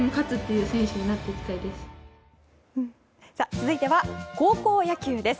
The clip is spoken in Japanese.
続いては高校野球です。